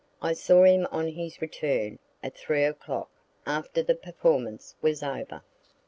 I saw him on his return, at three o'clock, after the performance was over.